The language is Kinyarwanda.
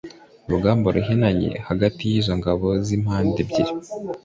Urugamba ruhinanye hagati yizo ngabo zimpande ebyiri